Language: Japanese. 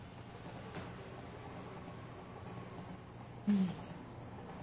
うん！